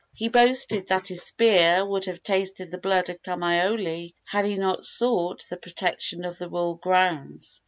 He boasted that his spear would have tasted the blood of Kamaiole had he not sought the protection of the royal grounds.